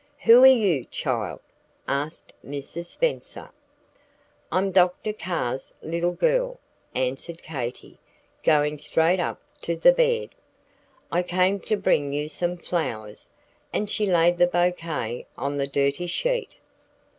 "Who are you, child?" asked Mrs. Spenser. "I'm Dr. Carr's little girl," answered Katy, going straight up to the bed. "I came to bring you some flowers." And she laid the bouquet on the dirty sheet.